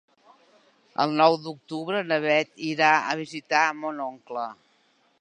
El nou d'octubre na Bet irà a visitar mon oncle.